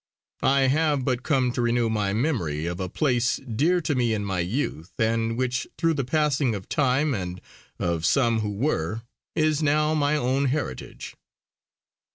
I have but come to renew my memory of a place, dear to me in my youth, and which through the passing of time and of some who were, is now my own heritage."